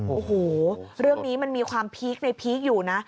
โอ้โหเรื่องนี้มันมีความพีคในพีคอยู่นะ